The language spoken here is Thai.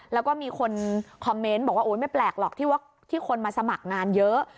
แล้วก็มีคนคอมเมนต์บอกว่าโอ๊ยไม่แปลกหรอกที่ว่าที่คนมาสมัครงานเยอะ